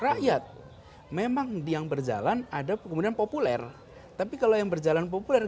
rakyat memang yang berjalan ada kemudian populer tapi kalau yang berjalan populer